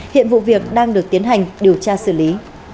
hiện vụ việc đang được tiến hành điều tra xử lý